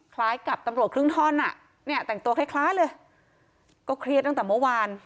คล้ายกับตำรวจครึ่งท่อนอ่ะเนี่ยแต่งตัวคล้ายคล้ายเลยก็เครียดตั้งแต่เมื่อวาน